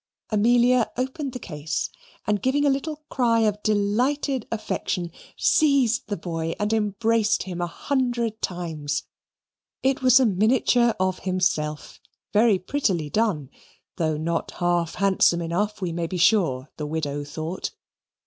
Amelia opened the case, and giving a little cry of delighted affection, seized the boy and embraced him a hundred times. It was a miniature of himself, very prettily done (though not half handsome enough, we may be sure, the widow thought).